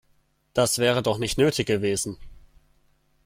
Das wäre doch nicht nötig gewesen.